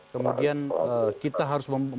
kemudian kita harus